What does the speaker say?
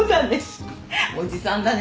おじさんだね。